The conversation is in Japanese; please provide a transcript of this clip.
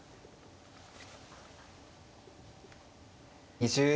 ２０秒。